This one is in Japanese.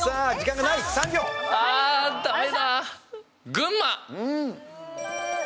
群馬！